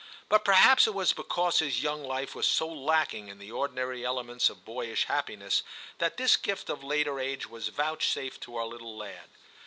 But perhaps it was because his young life was so lacking in the ordinary elements of boyish happiness, that this gift of later age was vouchsafed to our little lad.